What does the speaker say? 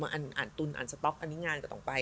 อ่านตุลอ่านสต๊อกอันนี้งานก็ต้องไป